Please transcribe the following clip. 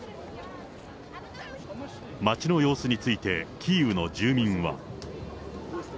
街の様子について、キーウの住民は。